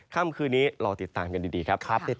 ค่ำคืนนี้รอติดตามกันดีครับ